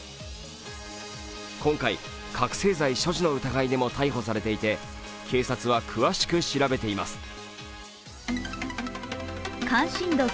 今回、覚醒剤所持の疑いでも逮捕されていて警察は詳しく調べています。